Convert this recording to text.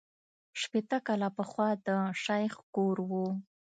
شپېته کاله پخوا د شیخ کور وو.